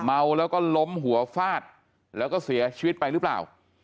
เมาแล้วก็ล้มหัวฟาดแล้วก็เสียชีวิตไปหรือเปล่า